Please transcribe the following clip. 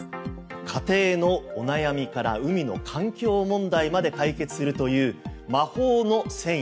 家庭のお悩みから海の環境問題まで解決するという魔法の繊維。